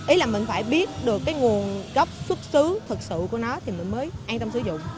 ý là mình phải biết được cái nguồn gốc xuất xứ thực sự của nó thì mình mới an tâm sử dụng